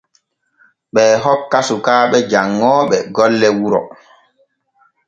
Ɓee hokka sukaaɓe janŋooɓe golle wuro.